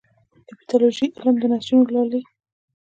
د پیتالوژي علم د نسجونه لولي.